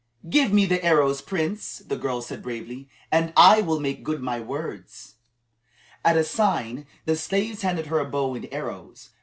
"Give me the arrows, Prince," the girl said, bravely, "and I will make good my words." At a sign, the slaves handed her a bow and arrows.